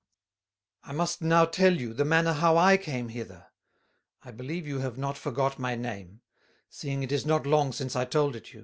"I must now tell you, the manner how I came hither: I believe you have not forgot my name, seeing it is not long since I told it you.